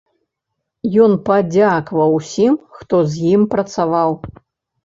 Ён падзякаваў усім, хто з ім працаваў.